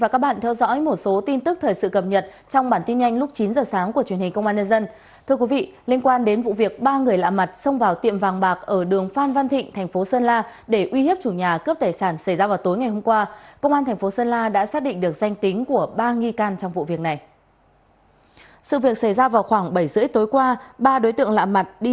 cảm ơn các bạn đã theo dõi